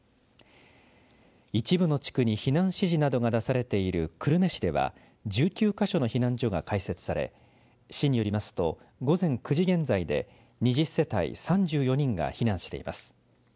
一部の地区に避難指示などが出されている久留米市では１９か所の避難所が開設され市によりますと、午前９時現在で２０世帯３４人が避難しています。